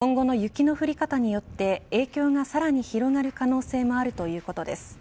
今後の雪の降り方によって影響がさらに広がる可能性もあるということです。